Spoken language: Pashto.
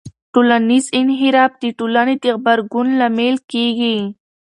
ټولنیز انحراف د ټولنې د غبرګون لامل کېږي.